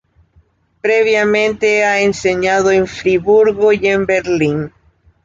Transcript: Previamente, ha enseñado en Friburgo y en Berlín.